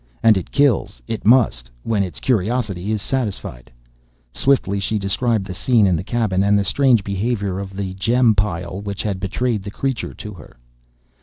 And it kills it must when its curiosity is satisfied." Swiftly she described the scene in the cabin and the strange behavior of the gem pile which had betrayed the creature to her.